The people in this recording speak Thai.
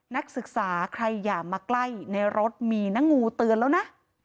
นักศึกษาใครอย่ามาใกล้ในรถมีนะงูเตือนแล้วนะ